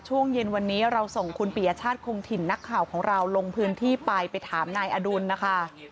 ช่วงเย็นวันนี้เราส่งคุณปียชาติคงถิ่นนักข่าวของเราลงพื้นที่ไปไปถามนายอดุลนะคะ